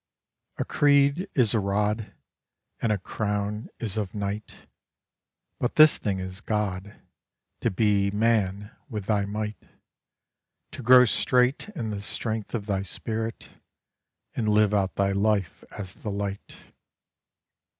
A creed is a rod, And a crown is of night; But this thing is God, To be man with thy might, To grow straight in the strength of thy spirit, and live out thy life as the light.